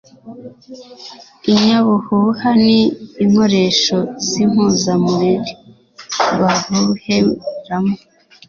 Inyabuhuha ni inkoresho z'impuzamuriri bahuheramo ;